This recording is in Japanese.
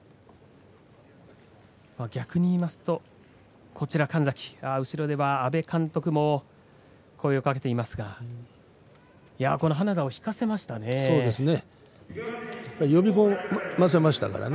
逆に言いますと神崎後ろでは阿部監督も声をかけていますがやっぱり呼び込ませましたからね。